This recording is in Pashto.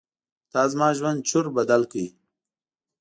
تا زما ژوند چور بدل کړ.